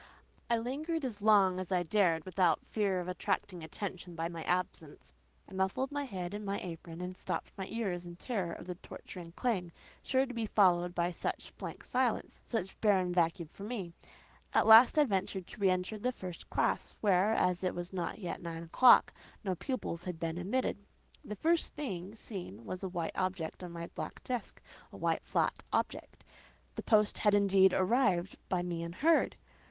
I lingered as long as I dared without fear of attracting attention by my absence. I muffled my head in my apron, and stopped my ears in terror of the torturing clang, sure to be followed by such blank silence, such barren vacuum for me. At last I ventured to re enter the first classe, where, as it was not yet nine o'clock, no pupils had been admitted. The first thing seen was a white object on my black desk, a white, flat object. The post had, indeed, arrived; by me unheard.